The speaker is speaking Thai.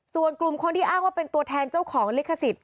ส่วนกลุ่มคนที่อ้างว่าเป็นตัวแทนเจ้าของลิขสิทธิ